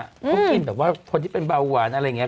เขากินแบบว่าคนที่เป็นเบาหวานอะไรอย่างนี้